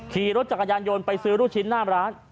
ขี่รถจักรยานยนต์ไปซื้อลูกชิ้นหน้าร้าน